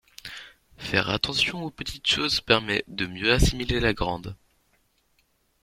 Faire attention aux petites choses permet de mieux assimiler la grande.